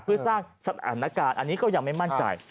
เพื่อสร้างสถานการณ์อันนี้ก็ยังไม่มั่นใจ